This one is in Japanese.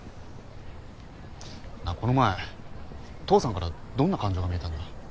この前父さんからどんな感情が見えたんだ？